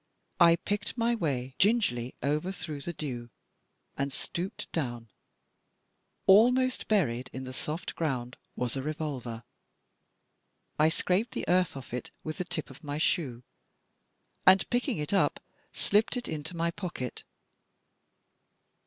I picked my way gingerly over through the dew and stooped down: almost buried in the soft groimd was a revolver! I scraped the earth off it with the tip of my shoe, and, picking it up, slipped it into my pocket.